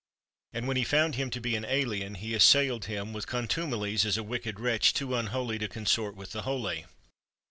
And when he found him to be an alien, he assailed him with contu melies as a wicked wretch too unholy to consort with the holy.